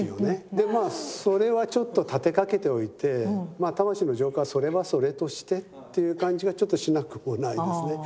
でまあそれはちょっと立てかけておいて魂の浄化はそれはそれとしてっていう感じがちょっとしなくもないですね。